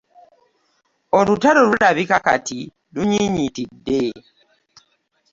Olutalo lulabika kati lunyinyitidde.